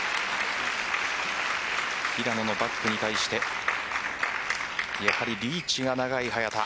平野のバックに対してやはり、リーチが長い早田。